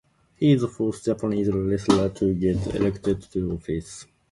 He is the fourth Japanese wrestler to get elected to office.